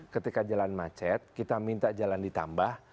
ketika jalan macet kita minta jalan ditambah